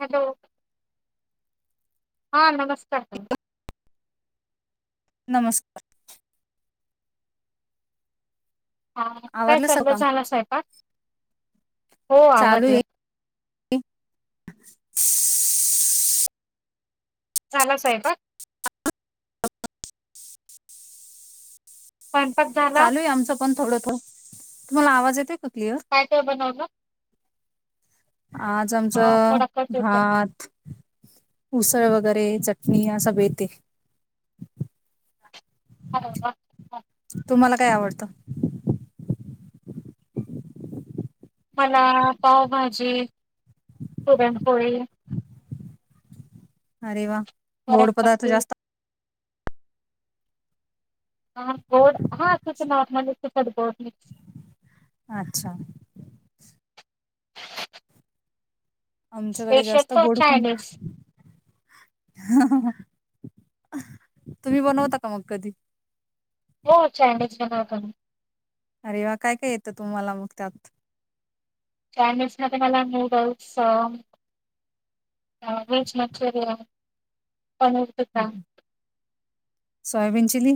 Hello हा नमस्कार स नमस्कार हा काय आवरलं स चाललं काम झाला साहेब हो आवड आहे. झाला स्वयंपाक का. स्वयंपाक झाला चालू आहे आमच पण थोडं तुम्हाला आवाज येते का. क्लिअर काय काय बनवलं. आज अ, आमचं थोडा कट होतोय भात ऊसा. ळ वगैरे चटणी अस ब येते. [unintelligible] तुम्हाला काय आवडतं? मला पावभाजी, पुरणपोळी. अरे वा! गोड वरण पदार्थ बट्टी. जास्त हा गोड! हा अस ते नॉर्मल तिखट गोड मिक्स. अच्छा. आमच्याकडे स्पेशल जास्त तर गोड कोण. चायनीज तुम्ही बनवता का मग कधी? हो, चयनिज बनबातो ना. अरे वा! काय? काय? येतं तुम्हाला मग त्यात. चायनीज मध्ये मला नूडल्स अ. ह veg Manchurian. Paneer tikka soybean chilli.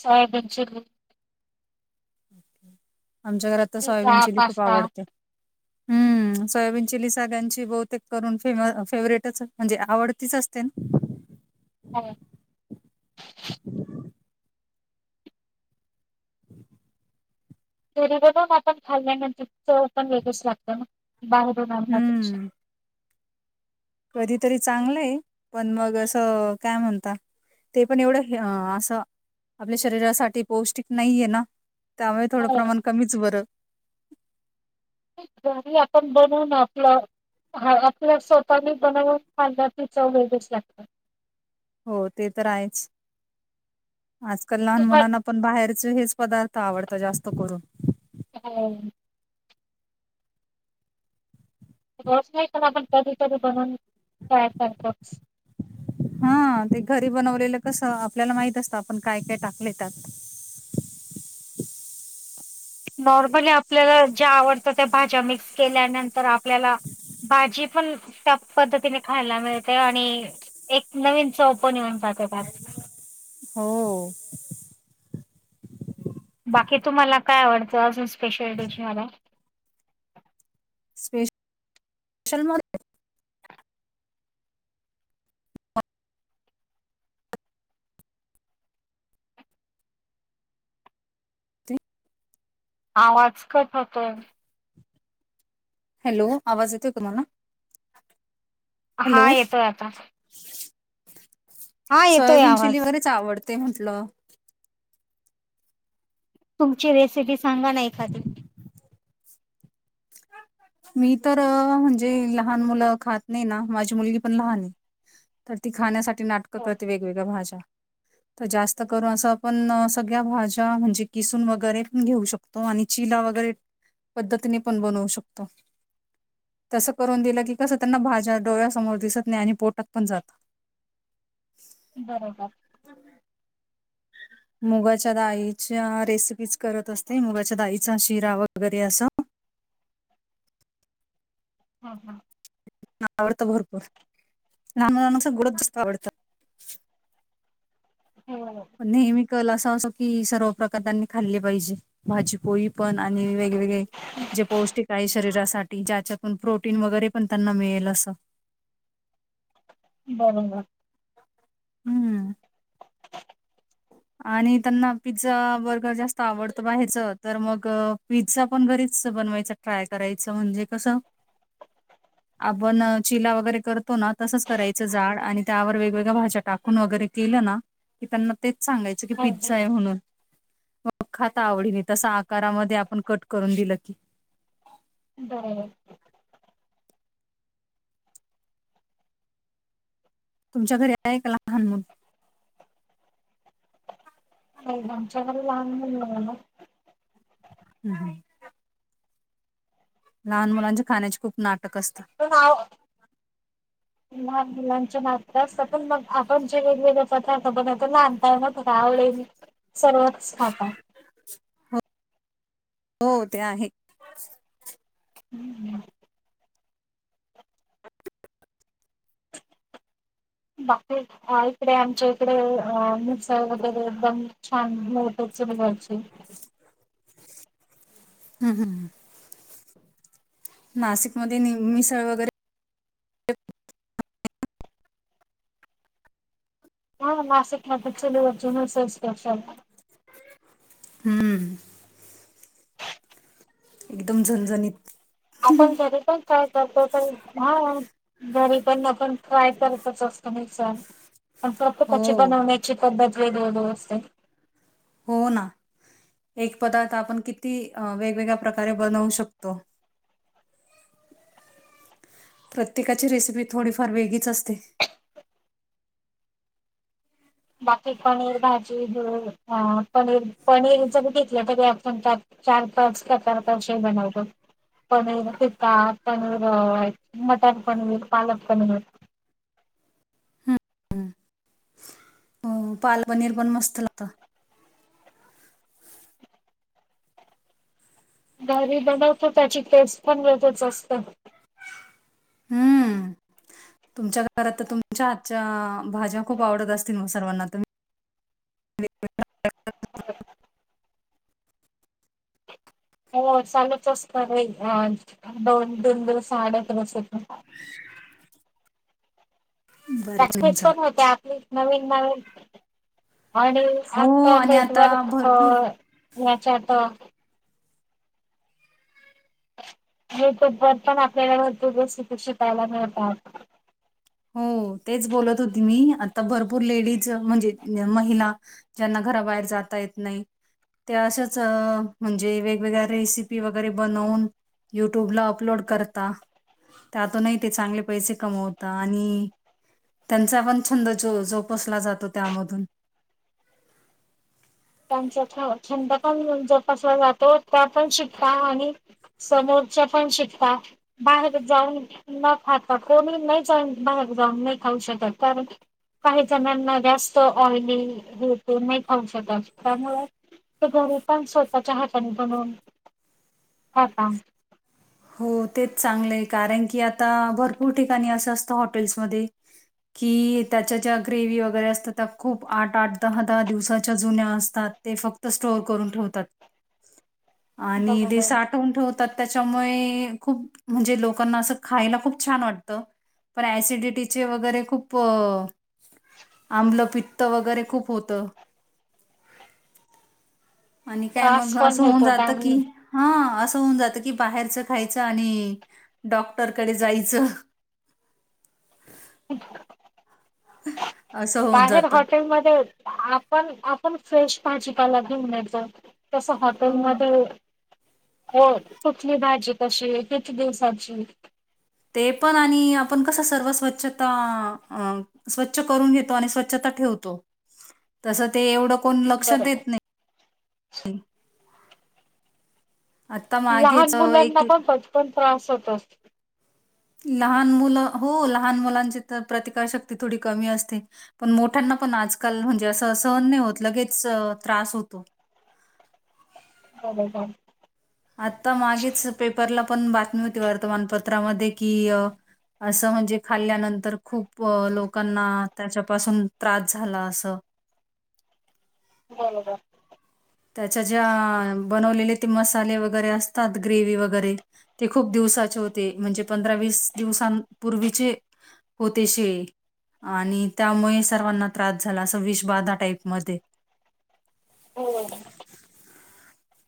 Soybean chilli. आमच्या घरात तर पिझ्झा सोयाबीन चिल्ली खूप पास्ता आवडते. हम्म. सोयाबीन चिल्ली सगळ्यांची बहुतेक करून फेवरेटच म्हणजे आवडतीच असते ना! हो. [unintelligible] [inaudible] घरी बनवून आपण खाल्ल्यानंतर चव पण वेगळीच लागत ना. बाहेरून आणल्यापेक्षा. हम्म कधीतरी चांगलं आहे पण मग असं काय म्हणता. ते पण एवढं असं आपल्या शरीरासाठी पौष्टिक नाहीये ना. त्यामुळे थोडं हो प्रमाण कमीच बरं. घरी आपण बनवून आपलं. हा आपल्या स्वतःनी बनवून खाण्याची चव वेगळीच लागते. हो ते तर आहेच आजकाल लहान तुम्हा मुलांना पण बाहेरचे हेच पदार्थ. आवडतं जास्त करून. [unintelligible] रोज नाही पण आपण कधी-कधी बनवून. ट्राय करतोच. हा ते घरी बनवलेलं. कस आपल्याला माहित असतं आपण काय काय टाकलंय त्यात. नॉर्मली आपल्याला ज्या आवडतं त्या भाज्या मिक्स केल्यानंतर आपल्याला. भाजी पण त्या पद्धतीने खायला मिळते आणि एक नवीन चव पण येऊन जाते. का का [unintelligible] [inaudible] हो.... बाकी तुम्हाला काय आवडतं अजून स्पेशल डिश मध्ये? स्पेशल मध्ये. आवाज कट होतोय. हॅलो आवाज येतोय तुम्हाला? हा हॅलो येतोय आता. हा येतोय सोयाबीन चिल्ली आवाज वगैरेच आवडते म्हंटलं. तुमची रेसिपी सांगा ना एखादी. [unintelligible] [inaudible] मी तर म्हणजे लहान मुलं खात नाही ना माझी मुलगी पण लहान आहे. तर ती खाण्यासाठी नाटकं हो करते वेगवेगळ्या भाज्या. [unintelligible] [inaudible] तर जास्त करून असं आपण सगळ्या भाज्या म्हणजे किसून वगैरे पण घेऊ शकतो आणि चिला वगैरे पद्धतीने पण बनवू शकतो. तसं करून दिलं की कसं त्यांना भाज्या डोळ्यासमोर दिसत नाही आणि पोटात. पण भरून जातो. बरोबर [unintelligible] [unintelligible] मुगाच्या दाईच्या रेसिपीज करत असते, मुगाच्या दाईचा शिरा वगैरे असं. [unintelligible] ह हा. आवडतं भरपूर लहान मुलांना गोडच जास्त आवडत. हो नेहमी. कल अस असो की सर्व प्रकार त्यांनी खाल्ले पाहिजे, भाजीपोळी पण आणि व जे पौष्टिक आहे शरीरासा ज्याच्यातून प्रोटीन वगैरे पण त्यांना मिळेल अस. बरोबर. हम्म. आणि त्यांना पिझ्झा, बर्गर जास्त आवडत बाहेरचं तर मग पिझ्झा पण घरीच कस बनवायच ट्राय करायचं म्हणजे कसं? [unintelligible] आपण चिला वगैरे करतो ना तसंच करायचं जाड आणि त्यावर वेगवेगळ्या भाज्या टाकून वगैरे केली की त्यांना तेच सांगायचं की हो पिझ्झा आहे म्हणून. मग खाता आवडीन तसा आकारामध्ये आपण कट करून दिलं की. बर. तुमच्या घरी आहे एक लहान मुल? हे आमच्याकडे लहान मुल नाही आहे. हम्म. लहान मुलांच्या खाण्याचे खूप नाटक असत. पण आव लहान मुलांच्या नाटक असतं पण मग आपण जे वेगवेगळे पतार्थ बनवतो लहानताना आवडे सरळच खाका. हा. हो ते आहे. बाकी इकडे आ आमच्या इकडे अ मिसळ वगैरे बनवून छान मोठच. तुम्ही घरचे. हम्म हम्म. नाशिकमध्ये नि मिसळ वगैरे हा. नासिक ना चलूवज न सक्ष हम्म. एकदम झणझणीत. आपण जरी पण काय करतो तर हा घरी पण आपण ट्राय करतच असतो मी हो [unintelligible] बनवण्याची पद्धत वेगवेगळे असते. हो ना. एक पदार्थ आपण किती वेगवेगळ्या प्रकारे बनवू शकतो. प्रत्येकाची रेसिपी थोडीफार वेगळीच असते. बाकी पनीर भाजी ध पनीर पनीरची घेतलं कधी आपण चार, पाच का चार पाचही बनवतो. पनीर पिता, पनीर मटर पनीर, पालक पनीर. [inaudible] हम् हो पाल पनीर पण मस्त लात. गाारी बनवतो त्याची टेस्ट पण तसिच असत. हम्म तुमच्या घरात तर तुमच्या आजच्या भाज्या खूप आवडत असतील म सर्वांना तर. [unintelligible] हो चालूच असत [unintelligible] दोन-दन दीवस साडत. [inaudible] तुम्ही बरे प्रॅक्टिस तुमचा पण होते आपली नवीन नवीन आणि हो आता आणि आता नेटवर्क भरपूर याच्यात युट्यूब वर पण आपल्याला भरपूर गोष्टी शिकायला मिळतात. हो तेच बोलत होती मी आता भरपूर लेडीज म्हणजे महिला ज्यांना घराबाहेर जाता येत नाही. त्या अशाच म्हणजे वेगवेगळ्या रेसिपी वगैरे बनवून युट्यूबला अपलोड करता त्यातूनही ते चांगले पैसे कमवतात. आणि त्यांचा पण छंद जोपासला जातो त्यामधून [inaudible] छंद पण जोपासला जातो त्या पण शिकता आणि समोरच्या पण शिकता बाहेर जाऊन न खाता कोणीही बाहेर जाऊन नाही खाऊ शकत. कारण काही जणांना जास्त ऑइली होेत नाही औषध अस त्यामुळे घरूनपण स्वतःच्या हाताने बनवून हो का हो तेच चांगलंय कारण की आता भरपूर ठिकाणी असं असतं हॉटेल्समध्ये कि त्याच्या ज्या ग्रेवी वगैरे असतात त्या खूप आठ-आठ, दहा-दहा दिवसाच्या जुन्या असतात. ते फक्त स्टोअर करून ठेवतात. [inaudible] आणि ते बरोबर साठवून ठेवतात त्याच्या मुळे खूप म्हणजे लोकांना असं खायला खूप छान वाटत. पण ऍसिडिटीचे वगैरे खूप आमलं पित्त वगैरे खूप होतं. [inaudible] आणि काय मग त्रास असं पण होऊन होतो जात की त्यामुळे हा अस होऊन जात की बाहेरच खायचं आणि डॉक्टरकडे जायचं. [unintelligible] [unintelligible] बाहेर जातं. हॉटेलमध्ये आपण आपण फ्रेश भाजीपाला देऊन तस हो हॉटेलमध्ये होय कुटली भाजी कशी आहे किती दिवसाची ते पण आणि आपण कसं सर्व स्वच्छता स्वच्छ करून घेतो आणि स्वच्छता ठेवतो तस ते एवढं कोण लक्ष बरोबर देत नाही. [inaudible] आता लहान मागेच अ, मुलांना एक पण पचपन त्रास होत असते. लहान मुलं हो लहान मुलांची तर प्रतिकारशक्ती थोडी कमी असते पण मोठ्याना पण आजकाल म्हणजे असं सहन नाही होत लगेच त्रास होतो. [unintelligible] आपण बातमी होती वर्तमानपत्रामध्ये कि असं म्हणजे खाल्ल्यानंतर खूप लोकांना त्याच्यापासून त्रास झाला असं बरोबर त्याच्या ज्या बनवलेले ते मसाले वगैरे असतात ग्रेवी वगैरे ते खूप दिवसाचे होते म्हणजे पंधरा-वीस दिवस पूर्वीचे होते शिळे आणि त्यामुळे सर्वांना त्रास झाला असं विष बाधा टाईपमध्ये [inaudible] हो.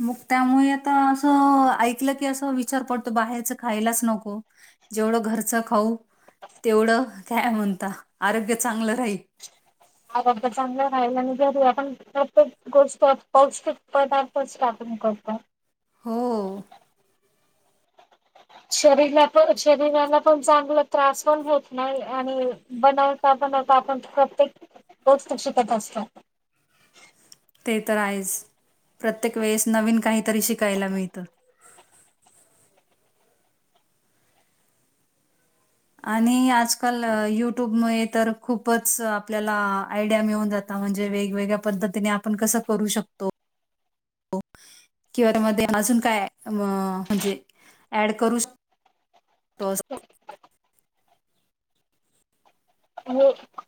मग त्यामुळे आता असं ऐकलं की असं विचार पडतो बाहेरचं खायलाच नको. जेवढं घरचं खाऊ तेवढं काय म्हणता आरोग्य चांगलं राहील. आरो चांगलं राहिला आणि घरी आपण प्रत्येक गोष्ट पौष्टिक पदार्थ. होक का. हो. शरी शरीराला पण चांग त्रास पण होत नाही आणि बनवता. आपण प्रत्येक रोज शिकत असतो. ते तर आहेच प्रत्येक वेळेस नवीन काहीतरी शिकायला मिळतं. [inaudible] आणि आजकाल युट्यूबमुळे तर खूपच आपल्याला आयडिया मिळून जात. म्हणजे वेगवेगळ्या पद्धतीने आपण कसं करू शकतो. [inaudible] किंवा त्यामध्ये अजून काय म्हणजे ऍड करू. तो.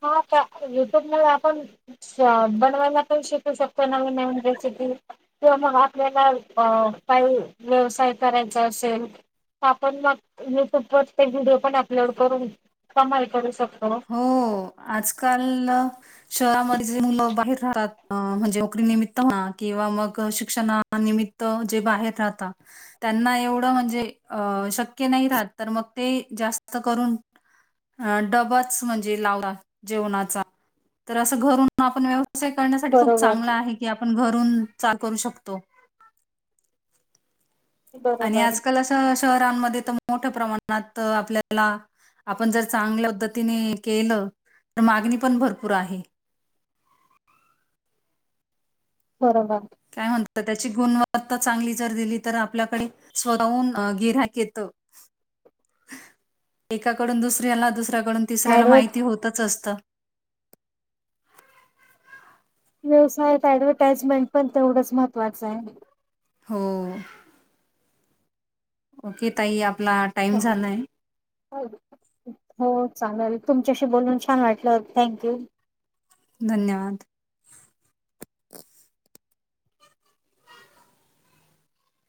हा का युट्यूब मुळं आपण बनवायला पण शिकू शकतो न. ते मग आपल्याला काही व्यवसाय करायचा असेल. आपण मग युट्यूब वर ते व्हिडिओ पण अपलोड करून कमाल करू शकतो. हो आजकाल शहरामध्ये जे मुल बाहेर राहतात म्हणजे नोकरी निमित. किंवा म शिक्षणा निमित जे बाहेर राहत त्यांना एवढं म्हणजे. सक्य नाही राहत मग ते जास्त करून आ डा म्हणजे जेवनाचा तर असं घरून आपण. अस करण्यासाठी खूप बरोबर चांगलं आहे की आपण घरून चहा करू शकतो. आणि बरोबर आजकाल अस शहरांमध्ये. मोठ्या प्रमाणात आपल्याला आपण जर चांगल्या पद्धतीने केलं. तर मागणी पण भरपूर आहे. [inaudible] बरोबर. काय म्हणत त्याची गुणवत्ता चांगली जर दिली तर आपल्याकडे स्वतःहून गिराहक येत. [inaudible] एकाकडून दुसऱ्याला दुसऱ्याकडून तिसऱ्याला ऍडव्हर्ट माहिती होतच असतं. व्यवसायात ऍडव्हर्टाइजमेंट पण तेवढंच महत्त्वाचं आहे. हो. ओके ताई आप. हो चालेल. तुमच्याशी बोलून छान वाटलं थँंक्यू. धन्यवाद.